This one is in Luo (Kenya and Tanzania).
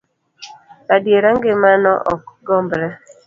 Adiera ngima no ok gombre.